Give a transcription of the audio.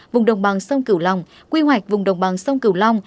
vùng đồng bằng sông cửu long quy hoạch vùng đồng bằng sông cửu long